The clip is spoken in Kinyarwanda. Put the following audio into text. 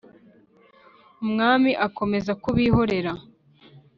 umwami akomeza kubihorera